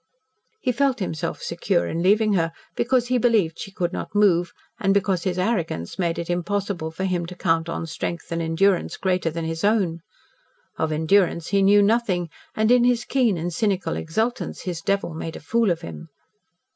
He felt himself secure in leaving her because he believed she could not move, and because his arrogance made it impossible for him to count on strength and endurance greater than his own. Of endurance he knew nothing and in his keen and cynical exultance his devil made a fool of him.